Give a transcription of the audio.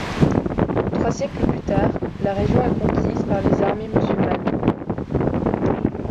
Trois siècles plus tard, la région est conquise par les armées musulmanes.